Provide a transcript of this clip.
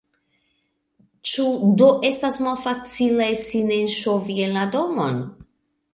Ĉu do estas malfacile sin enŝovi en la domon?